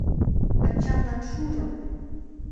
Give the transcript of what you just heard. — Ачамлан шужо!